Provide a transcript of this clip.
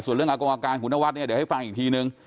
ส่วนเรื่องอากรรมคุณนวัดเนี่ยเดี๋ยวให้ฟังอีกทีนึง